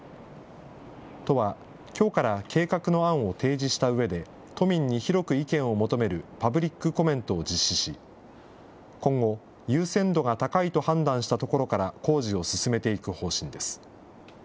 都はきょうから計画の案を提示したうえで、都民に広く意見を求めるパブリックコメントを実施し、今後、優先度が高いと判断した所から工事を進めていく方針です。